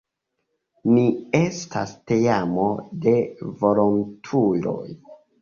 Ni estas teamo de volontuloj.